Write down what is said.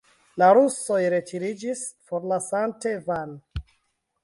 La rusoj retiriĝis, forlasante Van.